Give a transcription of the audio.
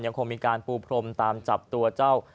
ยังคงมีการปูพรมตามจับตัวเจ้า